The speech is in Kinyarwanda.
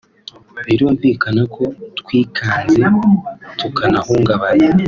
Birumvikana ko twikanze tukanahungabana